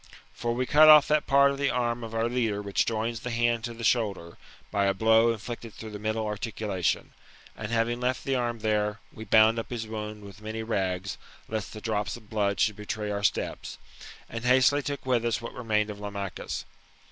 For we cut off that part of the arm of our leader which joins the hand to the shoulder, by a blow inflicted through the middle ar ticulation; and having left the arm there, we bound up his wound with many rags, lest the drops of blood should betray our steps. GOLDEN ASS, OF APtJLBlU6. ^fiOOR IV, 57 and hastily took with us what remained of Lamachus.